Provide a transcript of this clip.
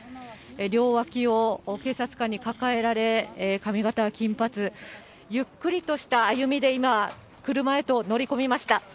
両脇を警察官に抱えられ、髪形は金髪、ゆっくりとした歩みで今、車へと乗り込みました。